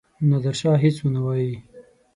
نادرشاه هیڅ ونه وايي.